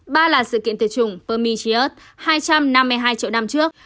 ba là sự kiện tuyệt chủng permitiot hai trăm năm mươi hai triệu năm trước